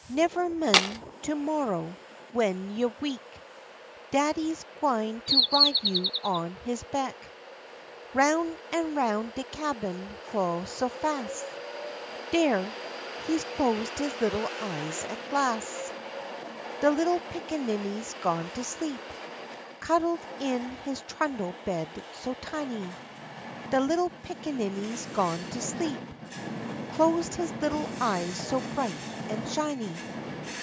Never min'; to morrer, w'en you wek, Daddy's gwine to ride you on his bek, 'Roun' an' roun' de cabin flo' so fas' Der! He's closed his little eyes at las'. De little pickaninny's gone to sleep, Cuddled in his trundle bed so tiny, De little pickaninny's gone to sleep, Closed his little eyes so bright an' shiny.